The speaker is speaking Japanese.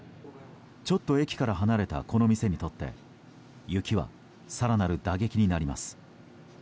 ちょっと駅から離れたこの店にとって雪は更なる打撃になります。